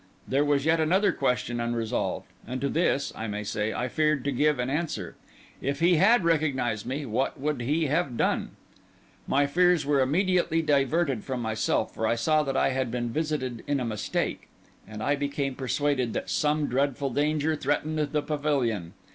There was yet another question unresolved; and to this, I may say, I feared to give an answer; if he had recognised me, what would he have done? My fears were immediately diverted from myself, for I saw that I had been visited in a mistake; and I became persuaded that some dreadful danger threatened the pavilion.